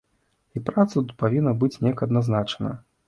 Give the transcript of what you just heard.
І праца тут павінна быць неяк адзначана.